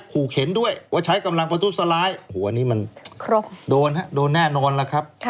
ขู่เข็นด้วยว่าใช้กำลังประทุสลายอันนี้มันโดนแน่นอนแล้วครับ